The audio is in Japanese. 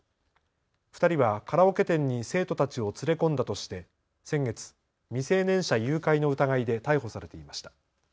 ２人はカラオケ店に生徒たちを連れ込んだとして先月、未成年者誘拐の疑いで逮捕されていました。